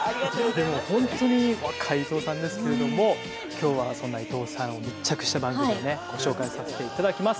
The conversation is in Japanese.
でも本当にお若い伊東さんですけれども今日はそんな伊東さんを密着した番組をねご紹介させていただきます。